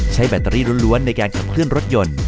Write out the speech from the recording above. แบตเตอรี่ล้วนในการขับเคลื่อนรถยนต์